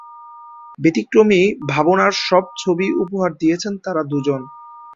ব্যতিক্রমী ভাবনার সব ছবি উপহার দিয়েছেন তারা দুজন।